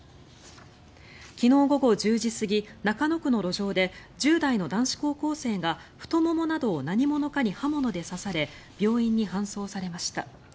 昨日午後１０時過ぎ中野区の路上で１０代の男子高校生が太ももなどを何者かに刃物で刺され病院に搬送されました。